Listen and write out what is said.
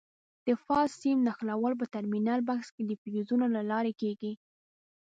د فاز سیم نښلول په ټرمینل بکس کې د فیوزونو له لارې کېږي.